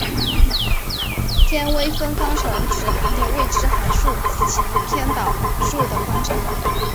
偏微分方程指含有未知函数及其偏导数的方程。